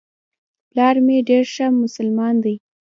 پلار مي ډېر ښه مسلمان دی .